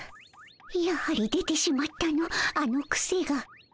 やはり出てしまったのあのクセが。